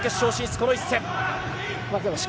この一戦。